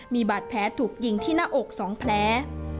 มีบาดแผลถูกยิงที่หน้าอก๒แผล